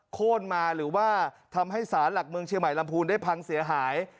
โค้นมาหรือว่าทำให้สารหลักเมืองเชียงใหม่ลำพูนได้พังเสียหาย